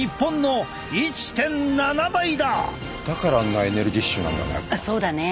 だからあんなエネルギッシュなんだね。